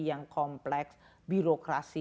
yang kompleks birokrasi